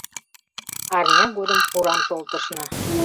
Арня годым пурам шолтышна.